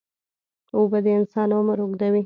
اوبه د انسان عمر اوږدوي.